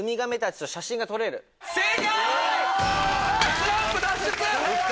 スランプ脱出！